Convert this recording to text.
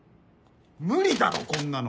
無理だろこんなの。